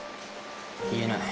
言えない。